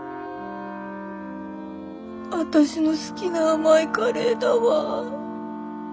私の好きな甘いカレーだわ。